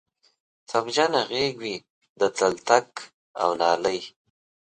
تبجنه غیږ وی د تلتک او نالۍ